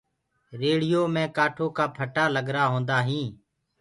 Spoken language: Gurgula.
ريڙهيو مي ڪآٺو ڪآ ڦٽآ ڪگرآ هوندآ هينٚ۔